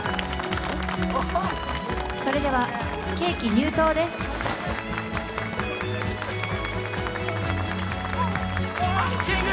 それではケーキ入刀ですああああ・キング！